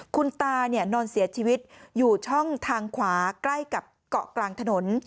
คุณตานอนเสียชีวิตอยู่ช่องทางขวาใกล้กับเกาะกลางถนน